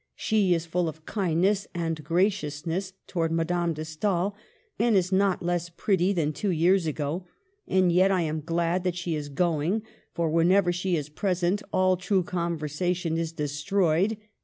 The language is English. She is full of kindness and graciousness towards Madame de Stael, and is not less pretty than two years ago, and yet I am glad that she is going ; for whenever she is present, all true con versation is destroyed.